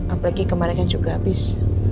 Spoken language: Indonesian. apalagi kemarin kan juga habis